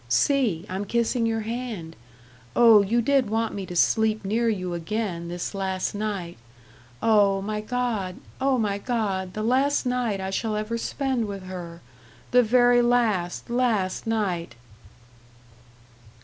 See, I'm kissing your hand. Oh, you did want me to sleep near you again, this last night Oh, my God! oh, my God! the last night I shall ever spend with her, the very last, last night."